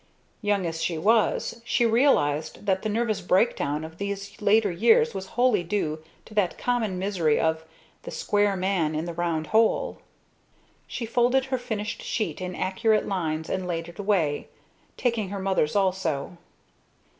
Young as she was, she realized that the nervous breakdown of these later years was wholly due to that common misery of "the square man in the round hole." She folded her finished sheet in accurate lines and laid it away taking her mother's also.